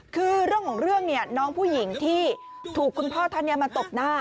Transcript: คือเรื่องของเรื่องเนี่ยน้องผู้หญิงที่ถูกคุณพ่อท่านนี้มาตบหน้า